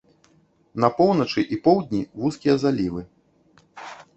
На поўначы і поўдні вузкія залівы.